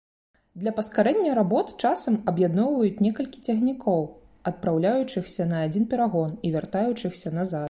Для паскарэння работ часам аб'ядноўваюць некалькі цягнікоў, адпраўляючыхся на адзін перагон і вяртаючыхся назад.